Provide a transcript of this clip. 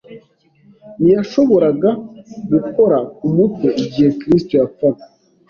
ntiyashoboraga gukora ku mutwe. Igihe Kristo yapfaga,